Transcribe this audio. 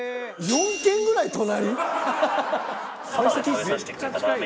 ４軒ぐらい隣！？